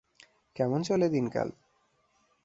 কেমন চলে দিনকাল?